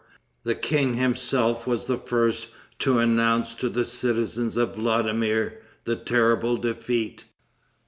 The king himself was the first to announce to the citizens of Vladimir the terrible defeat.